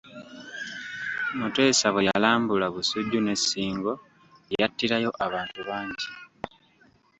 Mutesa bwe yalambula Busujju ne Ssingo, yattirayo abantu bangi.